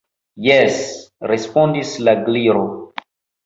"Jes," respondis la Gliro.